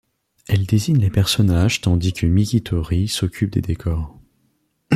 Elle dessine les personnages tandis que Miki Tori s'occupe des décors.